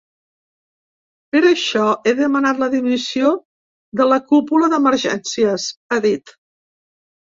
Per això he demanat la dimissió de la cúpula d’emergències, ha dit.